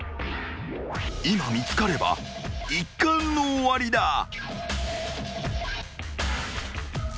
［今見つかれば一巻の終わりだ］